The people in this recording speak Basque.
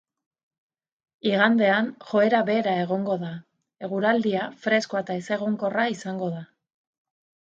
Igandean joera bera egongo da, eguraldia freskoa eta ezegonkorra izango da.